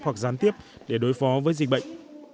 hoặc gián tiếp để đối phó với dịch bệnh